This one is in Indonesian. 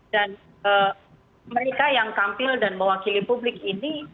dan mereka yang tampil dan mewakili publik ini